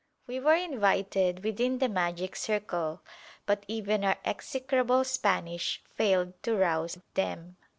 We were invited within the "magic circle," but even our execrable Spanish failed to rouse them.